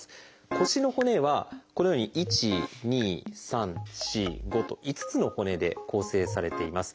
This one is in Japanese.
腰の骨はこのように１２３４５と５つの骨で構成されています。